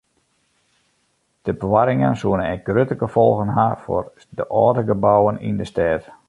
De boarringen soene ek grutte gefolgen ha foar de âlde gebouwen yn de stêd.